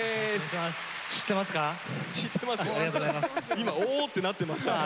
今「お！」ってなってましたから。